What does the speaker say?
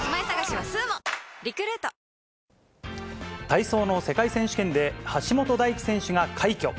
体操の世界選手権で、橋本大輝選手が快挙。